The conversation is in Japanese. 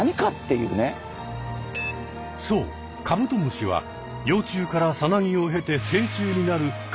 そうカブトムシは幼虫からさなぎを経て成虫になる完全変態。